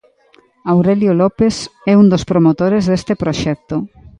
Aurélio Lopes é un dos promotores deste proxecto.